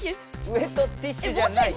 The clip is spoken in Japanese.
ウエットティッシュじゃない。